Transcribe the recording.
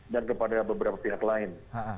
dan kepada beberapa pihak lain